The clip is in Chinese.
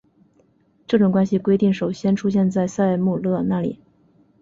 这种关系规定首先出现在塞姆勒那里。